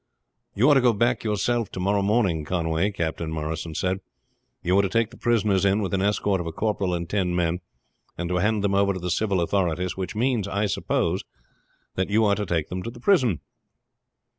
"You are to go back yourself to morrow morning, Conway," Captain Morrison said. "You are to take the prisoners in with an escort of a corporal and ten men, and to hand them over to the civil authorities; which means, I suppose, that you are to take them to the prison."